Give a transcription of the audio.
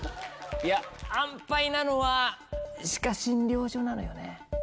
いや安パイなのは歯科診療所なのよね。